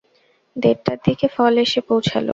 দেড়টার দিকে ফল এসে পৌঁছাল।